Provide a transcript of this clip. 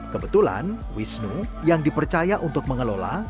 kebetulan wisnu yang dipercaya untuk mengelola